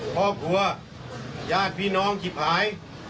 พ่อผัวญาติพี่น้องจิบหาย